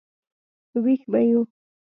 وېښ به یو.